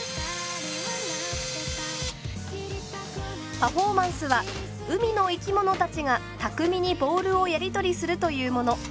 パフォーマンスは海の生きものたちが巧みにボールをやり取りするというもの。